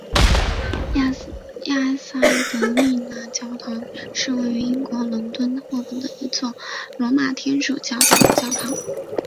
圣埃塞德丽达教堂是位于英国伦敦霍本的一座罗马天主教的教堂。